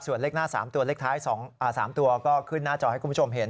ส่วนเลขหน้า๓ตัวเลขท้าย๓ตัวก็ขึ้นหน้าจอให้คุณผู้ชมเห็น